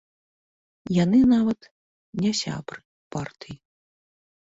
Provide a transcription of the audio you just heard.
Яны нават не сябры партыі.